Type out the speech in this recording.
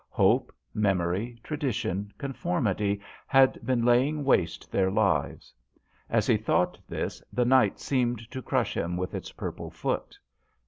Hope, memory, tradi tion, conformity, had been laying waste their lives. As he thought this the night seemed to crush him with its purple foot.